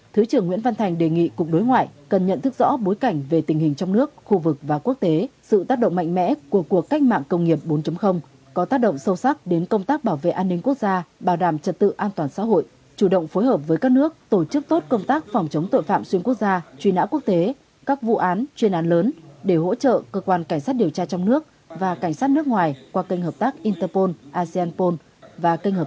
thứ trưởng nguyễn văn thành đề nghị cục đối ngoại cần nhận thức rõ bối cảnh về tình hình trong nước khu vực và quốc tế sự tác động mạnh mẽ của cuộc cách mạng công nghiệp bốn có tác động sâu sắc đến công tác bảo vệ an ninh quốc gia bảo đảm trật tự an toàn xã hội chủ động phối hợp với các nước tổ chức tốt công tác phòng chống tội phạm xuyên quốc gia truy nã quốc tế các vụ án truyền án lớn để hỗ trợ cơ quan cảnh sát điều tra trong nước và cảnh sát nước ngoài qua kênh hợp tác interpol aseanpol và kênh hợp